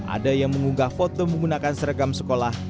ada yang mengunggah foto menggunakan seragam sekolah yang menyebutnya